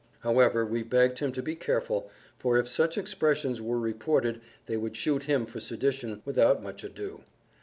However, we begged him to be careful, for if such expressions were reported they would shoot him for sedition without much ado.